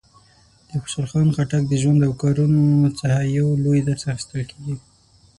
د خوشحال خان خټک د ژوند او کارونو څخه یو لوی درس اخیستل کېږي.